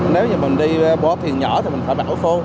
nếu như mình đi bó thiền nhỏ thì mình phải bảo phô